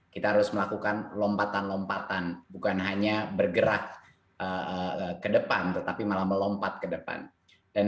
kita harus melakukan lompatan lompatan bukan hanya bergerak ke depan tetapi malah melompat ke depan